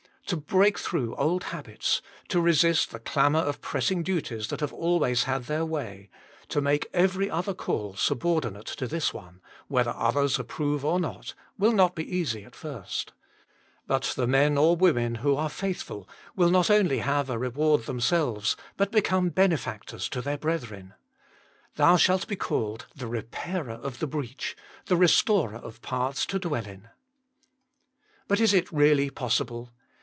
To break through old habits, to resist the clamour of pressing duties that have always had their way, to make every other call subordinate to this one, whether others approve or not, will not be easy at first. But the men or women who are faithful will not only PAUL A PATTERN OF PRAYER 167 have a reward themselves, but become benefac tors to their brethren. " Thou shalt be called the repairer of the breach, the restorer of paths to dwell in." But is it really possible